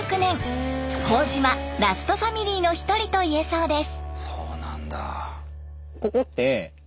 朴島ラストファミリーの一人といえそうです。